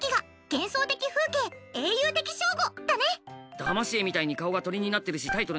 だまし絵みたいに顔が鳥になってるしタイトル